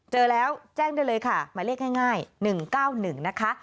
เจอแล้วแจ้งได้เลยค่ะหมายเลขง่าย๑๙๑นะคะ